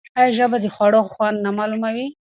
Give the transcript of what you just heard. آیا ژبه د خوړو خوند نه معلوموي؟